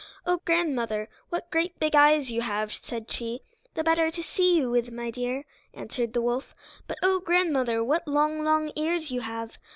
"Oh, grandmother, what great big eyes you have," said she. "The better to see you, my dear," answered the wolf. "But, oh grandmother, what long, long ears you have."